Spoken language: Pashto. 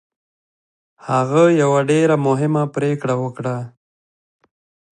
هغه یوه ډېره مهمه پرېکړه وکړه